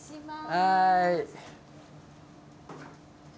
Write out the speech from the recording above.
はい。